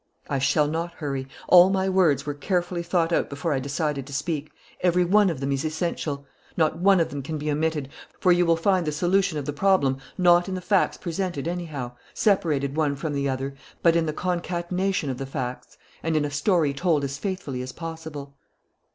"I shall not hurry. All my words were carefully thought out before I decided to speak. Every one of them is essential. Not one of them can be omitted, for you will find the solution of the problem not in facts presented anyhow, separated one from the other, but in the concatenation of the facts, and in a story told as faithfully as possible."